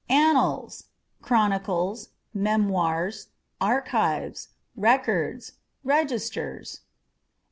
Annals â€" chronicles, memoirs, archives, records, registers.